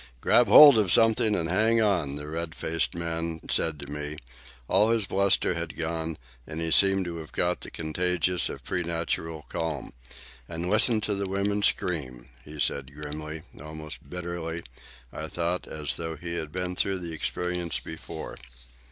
"Grab hold of something and hang on," the red faced man said to me. All his bluster had gone, and he seemed to have caught the contagion of preternatural calm. "And listen to the women scream," he said grimly—almost bitterly, I thought, as though he had been through the experience before.